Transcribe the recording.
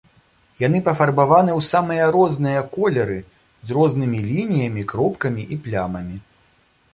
Яны пафарбаваны ў самыя розныя колеры з рознымі лініямі, кропкамі і плямамі.